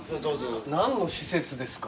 何の施設ですか？